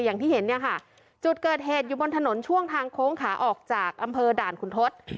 อย่างที่เห็นเนี่ยค่ะจุดเกิดเหตุอยู่บนถนนช่วงทางโค้งขาออกจากอำเภอด่านคุณทศ